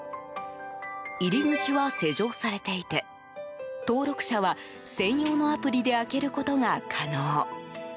入り口は施錠されていて登録者は専用のアプリで開けることが可能。